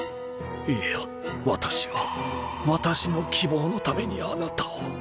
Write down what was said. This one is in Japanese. いや私は私の希望のためにあなたを